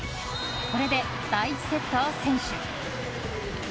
これで第１セットを先取！